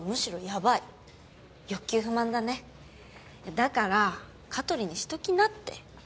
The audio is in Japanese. だから香取にしときなって。